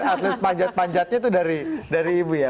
atlet manjat manjatnya tuh dari ibu ya